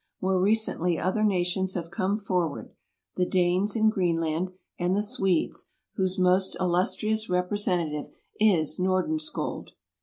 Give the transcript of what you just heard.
More recently other nations have come forward — the Danes in Greenland, and the Swedes, whose most illustrious representative is Nordenskjold.